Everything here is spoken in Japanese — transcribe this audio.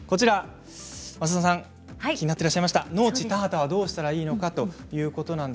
増田さん気になっていらっしゃいました農地、田畑をどうしたらいいのか。